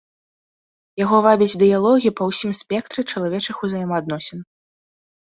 Яго вабяць дыялогі па ўсім спектры чалавечых узаемаадносін.